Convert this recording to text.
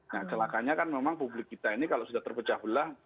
nah celakanya kan memang publik kita ini kalau sudah terpecah belah